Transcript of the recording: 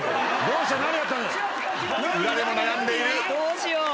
どうしよう。